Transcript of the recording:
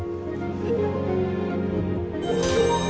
えっ？